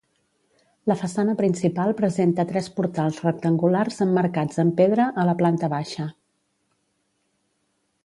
La façana principal presenta tres portals rectangulars emmarcats en pedra a la planta baixa.